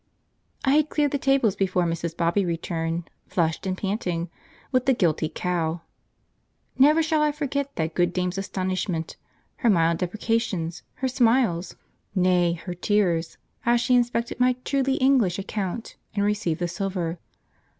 I had cleared the tables before Mrs. Bobby returned, flushed and panting, with the guilty cow. Never shall I forget that good dame's astonishment, her mild deprecations, her smiles nay, her tears as she inspected my truly English account and received the silver.